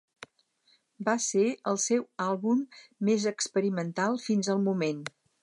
Va ser el seu àlbum més experimental fins al moment.